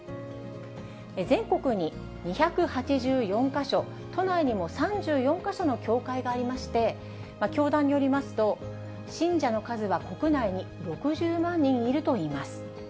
全国に２８４か所、都内にも３４か所の教会がありまして、教団によりますと、信者の数は国内に６０万人いるといいます。